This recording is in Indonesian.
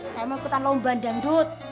saya mau ikutan lomba dangdut